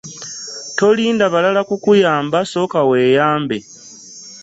Tolinda balala kukuyamba sooka weeyambe.